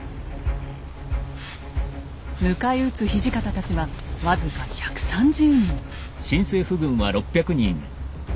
迎え撃つ土方たちは僅か１３０人。